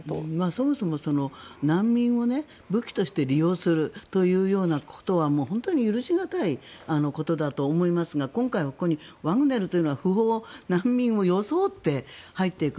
そもそも難民を武器として利用するというようなことは許し難いことだと思いますが今回はここにワグネルというのは不法難民を装って入っていく。